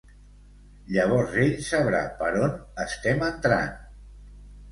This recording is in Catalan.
Llavors ell sabrà per on estem entrant.